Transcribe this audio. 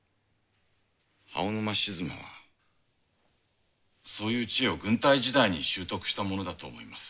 青沼静馬はそういう知恵を軍隊時代に習得したものだと思います。